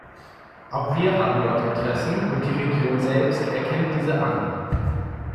Auch wir haben dort Interessen, und die Region selbst erkennt diese an.